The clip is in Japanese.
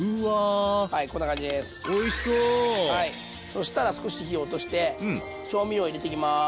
そしたら少し火を落として調味料入れていきます。